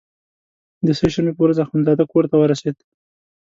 د سې شنبې په ورځ اخندزاده کورته ورسېد.